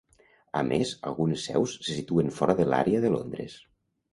A més algunes seus se situen fora de l'àrea de Londres.